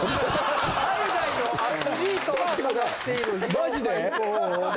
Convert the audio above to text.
マジで？